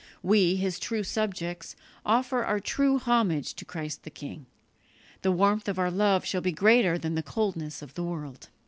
We, His true subjects, offer our true homage to Christ the King; the warmth of our love shall be greater than the coldness of the world.